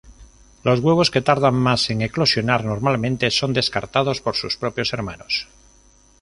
Los huevos que tardan más en eclosionar normalmente son descartados por sus propios hermanos.